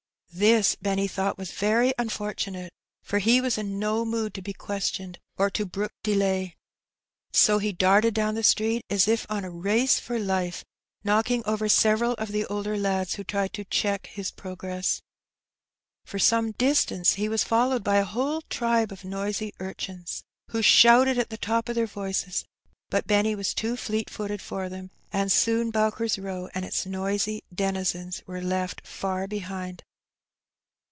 This Benny thought was veiy unfortunate, for he was in no mood to be questioned or to brook dday. So he darted down the street as if on a race for bfe^ knocking over several of the older lads who tried to dieck his pro For some distance he was followed by a whole tribe of noisy urchins, who shouted at the top of their voices. But Benny was too fleet footed for them, and soon Bowker^s Bow and its noisy denizens were left fiyr behind.